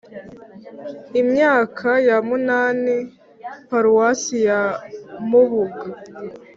imyaka ya umunani paruwasi ya mubuga